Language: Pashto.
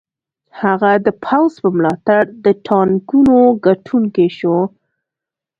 هغه د پوځ په ملاتړ د ټاکنو ګټونکی شو.